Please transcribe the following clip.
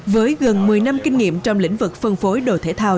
với gần một mươi năm kinh nghiệm trong lĩnh vực phân phối đồ thể thao